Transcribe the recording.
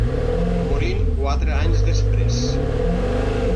Morint quatre anys després.